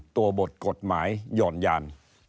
ตัวบทกฎหมายหย่อนยาน